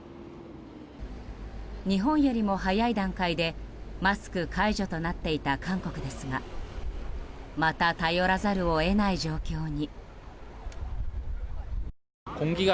日本よりも早い段階でマスク解除となっていた韓国ですがまた頼らざるを得ない状況に。